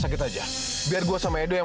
sebentar ga break bule